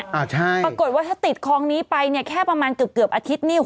ปรากฏว่าถ้าติดคลองนี้ไปแค่ประมาณเกือบอาทิตย์